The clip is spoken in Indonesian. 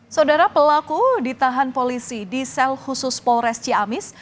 saudara pelaku ditahan polisi di sel khusus polres ciamis